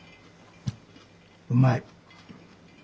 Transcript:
うまい。